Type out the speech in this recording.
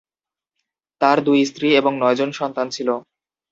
তার দুই স্ত্রী এবং নয়জন সন্তান ছিল।